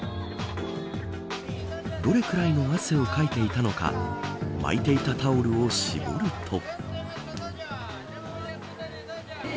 どれぐらいの汗をかいていたのかまいていたタオルを絞ると。